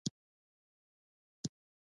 ملګرو یې ترې ډیر څه زده کړل.